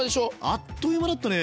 あっという間だったね。